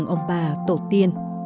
ông bà tổ tiên